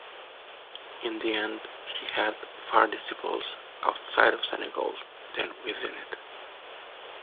In the end, he had far disciples outside of Senegal than within it.